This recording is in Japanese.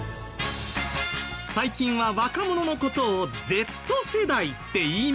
最近は若者の事を「Ｚ世代」って言いますが。